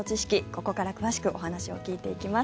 ここから詳しくお話を聞いていきます。